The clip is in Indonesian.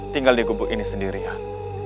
tinggal di gubuk ini sendirian